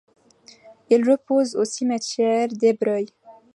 Il repose au cimetière d'Ébreuil.